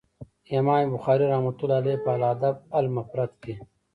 امام بخاري رحمه الله په الأدب المفرد کي